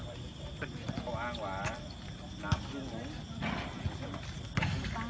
สวัสดีครับทุกคนขอบคุณครับครับทุกคน